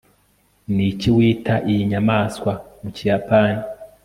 niki wita iyi nyamaswa mu kiyapani